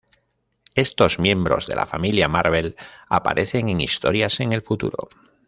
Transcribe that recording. Estos miembros de la Familia Marvel aparecen en historias en el futuro.